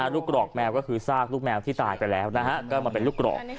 กรอกแมวก็คือซากลูกแมวที่ตายไปแล้วก็มาเป็นลูกกรอก